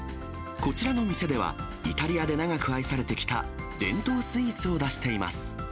こちらの店では、イタリアで長く愛されてきた伝統スイーツを出しています。